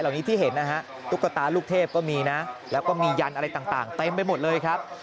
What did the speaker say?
นี้ที่เห็นนะฮะตุ๊กตาลูกเทพก็มีนะแล้วก็มียันอะไรต่างเต็มไปหมดเลยครับ